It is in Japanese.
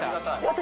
私